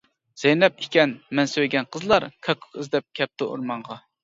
زەينەپ ئىكەن مەن سۆيگەن قىزلار، كاككۇك ئىزدەپ كەپتۇ ئورمانغا.